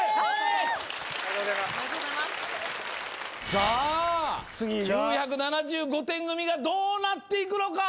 さあ９７５点組がどうなっていくのか？